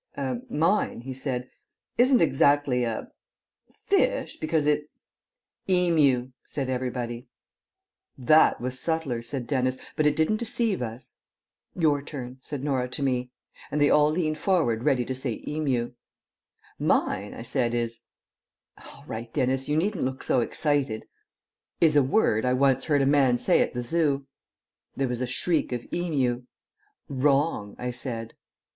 "Mine," he said, "isn't exactly a fish, because it " "Emu," said everybody. "That was subtler," said Dennis, "but it didn't deceive us." "Your turn," said Norah to me. And they all leant forward ready to say "Emu." "Mine," I said, "is all right, Dennis, you needn't look so excited is a word I once heard a man say at the Zoo." There was a shriek of "Emu!" "Wrong," I said.